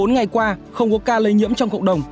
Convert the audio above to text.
bốn mươi bốn ngày qua không có ca lây nhiễm trong cộng đồng